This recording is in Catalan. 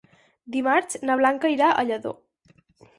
Dimarts na Blanca irà a Lladó.